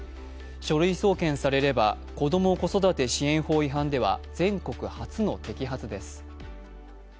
書類送検されれば子ども・子育て支援法違反では全国初の摘発です。